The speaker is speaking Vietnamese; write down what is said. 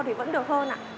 thì vẫn được hơn ạ